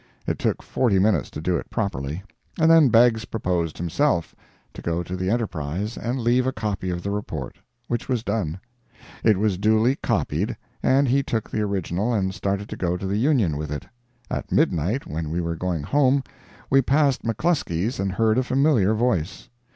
It took forty minutes to do it properly, and then Beggs proposed, himself, to go to the ENTERPRISE and leave a copy of the report, which was done. It was duly copied, and he took the original and started to go to the Union with it. At midnight, when we were going home, we passed McCluskey's and heard a familiar voice.